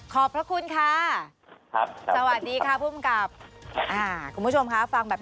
ครับผมคุณประการเต็มที่ครับ